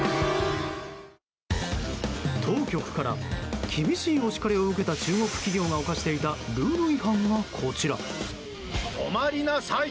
当局から厳しいお叱りを受けた中国企業が犯していたルール違反が、こちら。